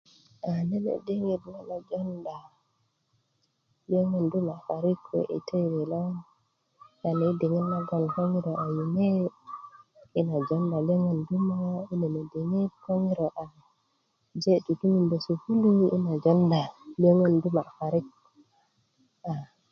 a nene diŋit ŋo lo jonda liyöŋön duma parik kuwe i teili lo yani i diŋit nagon ko ŋiro a yuŋwe i na jonda liyöŋö duma i nene diŋit ko ŋiro aje tutungö sukulu i na jonda liyöŋön duma parik